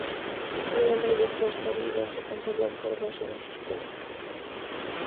El nombre de fuerza viva se conserva por razones históricas.